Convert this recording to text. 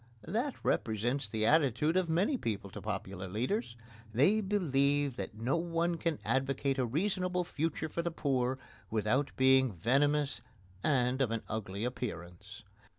That represents the attitude of many people to popular leaders. They believe that no one can advocate a reasonable future for the poor without being venomous and of an ugly appearance.